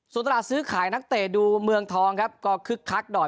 ส่วนตลาดซื้อขายนักเตะดูเมืองทองครับก็คึกคักหน่อย